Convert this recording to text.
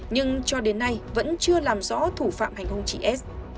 nhưng cho đến nay vẫn chưa làm rõ thủ phạm hành hùng chị s